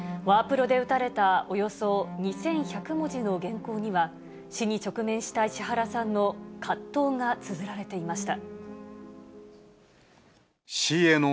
ワープロで打たれたおよそ２１００文字の原稿には、死に直面した石原さんの葛藤がつづられていました。